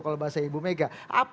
kalau bahasa ibu mega